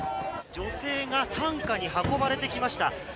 女性が担架に運ばれてきました。